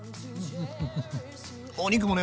お肉もね